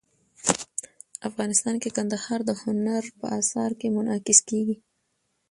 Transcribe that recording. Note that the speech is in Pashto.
افغانستان کې کندهار د هنر په اثار کې منعکس کېږي.